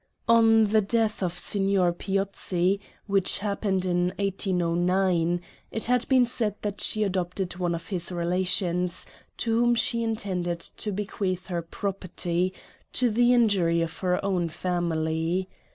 On the death of Signor Piozzi, which happened in 1809, it has been said that she adopted one of his relations, to whom she intended to bequeath her property, to the injury of her own family.